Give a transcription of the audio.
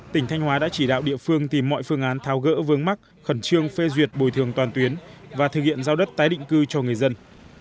tỉnh thanh hóa đã chỉ đạo địa phương tìm mọi phương án thao gỡ vương mắc khẩn trương phê duyệt bồi thường toàn tuyến và thực hiện giao đất tái định cư cho người dân